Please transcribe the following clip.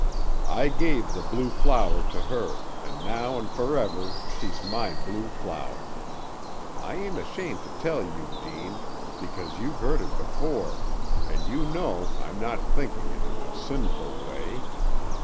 I gave the blue flower to her, an' now an' forever she's my blue flower. I ain't ashamed to tell you, Deane, because you've heard it before, an' you know I'm not thinking it in a sinful way.